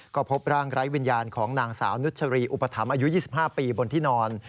ก็พบร่างไร้วิญญาณของนางสาวนุชรีอุปถัมภ์อายุ๒๕ปีบนที่นอน